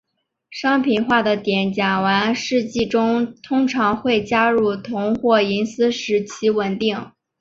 商品化的碘甲烷试剂中通常会加入铜或银丝使其稳定。